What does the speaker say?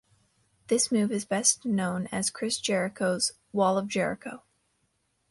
This move is best known as Chris Jericho's "Walls of Jericho".